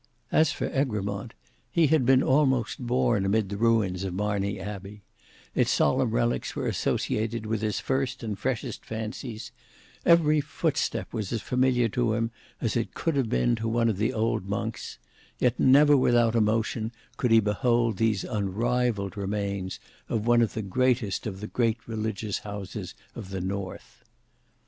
As for Egremont, he had been almost born amid the ruins of Marney Abbey; its solemn relics were associated with his first and freshest fancies; every footstep was as familiar to him as it could have been to one of the old monks; yet never without emotion could he behold these unrivalled remains of one of the greatest of the great religious houses of the North.